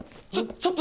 ちょっと！